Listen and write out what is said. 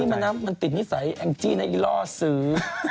ก็วันนี้มะน้ำมันติดนิสัยเองจี้ไอศร่อสื่อ